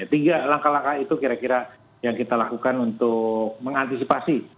tiga langkah langkah itu kira kira yang kita lakukan untuk mengantisipasi